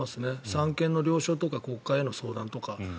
三権の了承とか国会への相談とか。